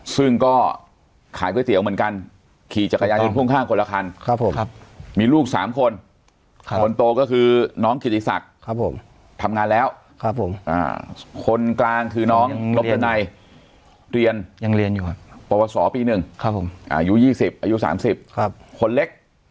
นึงก็ขายเก้าเตี๋ยวเหมือนกันขี่จักรยายจนท่วงข้างคนละครั้งครับผมครับมีลูก๓คนเท่าก็คือน้องคิตตีศักดิ์ครับผมทำงานแล้วครับผมคนกลางคือน้องหลบเยอะในเรียนยังเรียนอยู่ประวัติศรอปี๑ครับอายุ๒๐อายุ๓๐ครับควรเล็ก